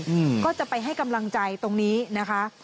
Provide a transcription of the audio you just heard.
อืมก็จะไปให้กำลังใจตรงนี้นะคะ